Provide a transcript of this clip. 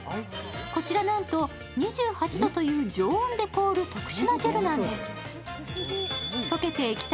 こちら、なんと２８度という常温で凍る特殊なジェルなんです。